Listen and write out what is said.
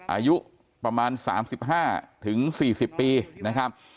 อายุประมาณ๓๕๔๐ปีนะครับ